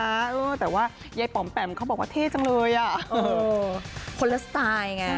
เออแต่ว่ายายป๋อมแปมเขาบอกว่าเท่จังเลยอ่ะเออคนละสไตล์ไง